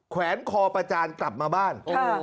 แวนคอประจานกลับมาบ้าน